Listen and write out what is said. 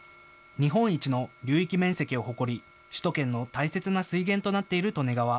日本一の流域面積を誇り、首都圏の大切な水源となっている利根川。